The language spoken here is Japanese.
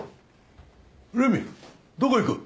麗美どこへ行く？